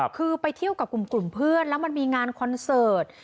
คือไปเที่ยวกับกลุ่มเพื่อนแล้วมันมีงานคอนเสิร์ต